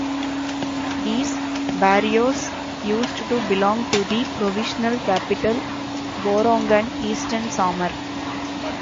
These barrios used to belong to the provincial capital Borongan, Eastern Samar.